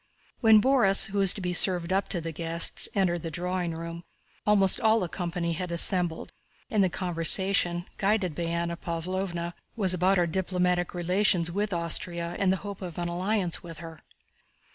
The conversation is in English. When Borís, who was to be served up to the guests, entered the drawing room, almost all the company had assembled, and the conversation, guided by Anna Pávlovna, was about our diplomatic relations with Austria and the hope of an alliance with her.